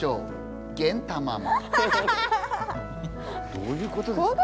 どういうことですか。